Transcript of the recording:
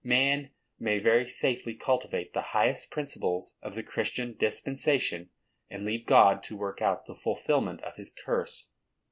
Man may very safely cultivate the highest principles of the Christian dispensation, and leave God to work out the fulfilment of His curse.